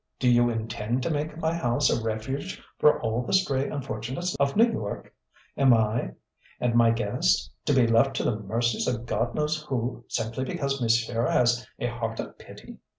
Do you intend to make of my house a refuge for all the stray unfortunates of New York? Am I, and my guests, to be left to the mercies of God knows who, simply because monsieur has a heart of pity?"